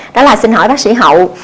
đó là xin hỏi bác sĩ hậu